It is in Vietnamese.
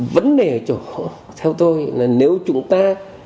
vấn đề ở chỗ theo tôi là nếu chúng ta